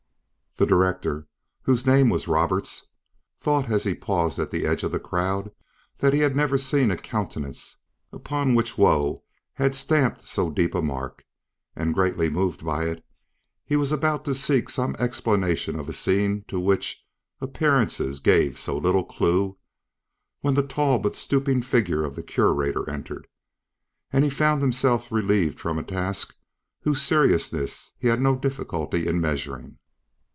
The director, whose name was Roberts, thought as he paused on the edge of the crowd that he had never seen a countenance upon which woe had stamped so deep a mark; and greatly moved by it, he was about to seek some explanation of a scene to which appearances gave so little clue, when the tall but stooping figure of the Curator entered, and he found himself relieved from a task whose seriousness he had no difficulty in measuring.